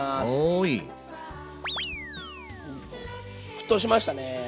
沸騰しましたね。